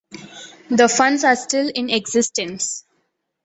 The funds are still in existence.